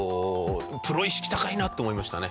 プロ意識高いなって思いましたね。